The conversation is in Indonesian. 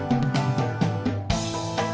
terima kasih banyak om